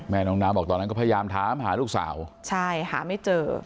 น้องน้ำบอกตอนนั้นก็พยายามถามหาลูกสาวใช่หาไม่เจอ